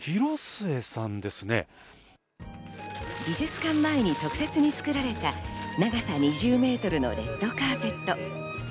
美術館前に特設に作られた長さ２０メートルのレッドカーペット。